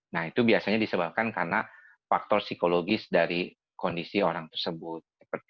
nah itu biasanya disebabkan karena faktor psikologis dari kondisi orang tersebut